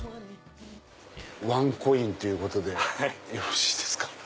ワンコインということでよろしいですか。